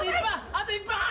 あと１分半！